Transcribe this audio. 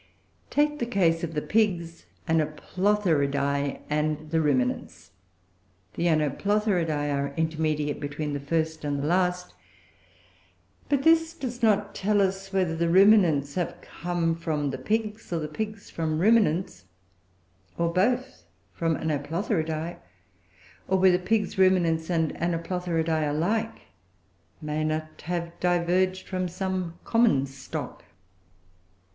Take the case of the Pigs, the Anoplothcridoe, and the Ruminants. The Anoplothcridoe are intermediate between the first and the last; but this does not tell us whether the Ruminants have come from the Pigs, or the Pigs from Ruminants, or both from Anoplothcridoe, or whether Pigs, Ruminants, and Anoplotlicridoe alike may not have diverged from some common stock.